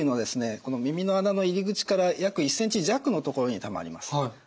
この耳の穴の入り口から約１ｃｍ弱のところにたまります。